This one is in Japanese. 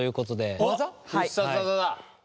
必殺技だ。